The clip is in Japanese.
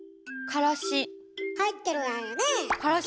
からし入ってる。